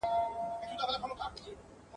عُمر مي وعدو د دروغ وخوړی ..